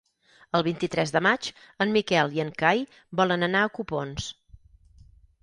El vint-i-tres de maig en Miquel i en Cai volen anar a Copons.